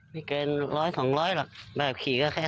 มีเกินร้อย๒๐๐หรือแบบขี่ก็แค่๓๐๐